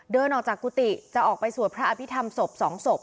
เดินออกจากกุฏิจะออกไปสวดพระอภิษฐรรมศพ๒ศพ